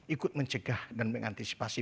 ikut mencegah dan mengantisipasi